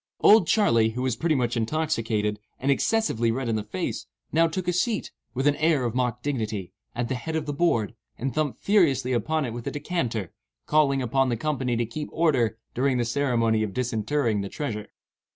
"Old Charley," who was pretty much intoxicated, and excessively red in the face, now took a seat, with an air of mock dignity, at the head of the board, and thumped furiously upon it with a decanter, calling upon the company to keep order "during the ceremony of disinterring the treasure."